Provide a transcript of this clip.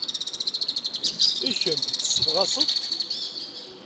I kemm, tessebɣaseḍ-t?